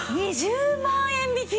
２０万円引き！？